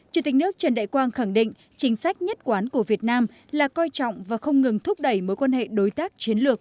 chủ tịch nước trần đại quang khẳng định chính sách nhất quán của việt nam là coi trọng và không ngừng thúc đẩy mối quan hệ đối tác chiến lược